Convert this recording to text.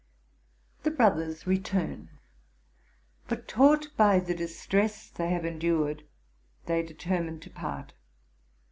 The brothers return; but, taught by the distress they have endured, they determine to part.